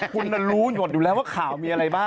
คุณรู้หยดอยู่แล้วว่าข่าวมีอะไรบ้าง